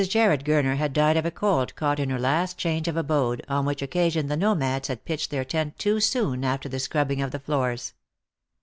Jarred Gurner had died of a cold caught in her last change of abode, on which occasion the nomads had pitched their tent too soon after the scrubbing of the floors.